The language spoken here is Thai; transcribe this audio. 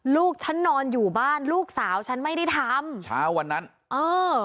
ลูกฉันนอนอยู่บ้านลูกสาวฉันไม่ได้ทำเช้าวันนั้นเออ